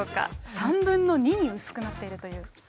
３分の２に薄くなっているという。